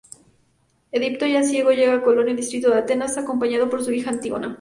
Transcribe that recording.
Edipo, ya ciego, llega a Colono, distrito de Atenas, acompañado por su hija Antígona.